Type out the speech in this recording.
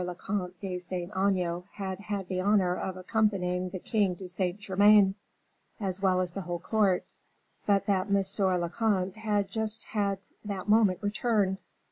le Comte de Saint Aignan had had the honor of accompanying the king to Saint Germain, as well as the whole court; but that monsieur le comte had just that moment returned.